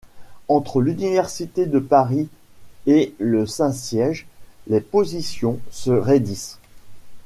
Entre l'Université de Paris et le Saint-Siège, les positions se raidissent.